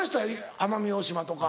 奄美大島とか。